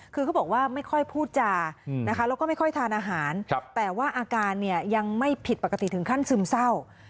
คือเขาบอกว่าไม่ค่อยพูดจานะคะแล้วก็ไม่ค่อยทานอาหารแต่ว่าอาการเนี่ยยังไม่ผิดปกติถึงขั้นซึมเศร้า